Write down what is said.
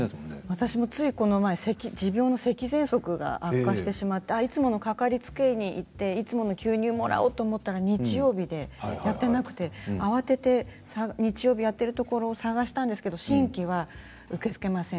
私も先日持病のせきぜんそくが悪化していつものかかりつけ医に行っていつもの吸入をもらおうと思ったら日曜日やっていなくて慌てて日曜日やってるところを探したんですけれど新規は受け付けません